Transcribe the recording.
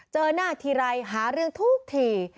เจอหน้าทีไรหาเรื่องทุกที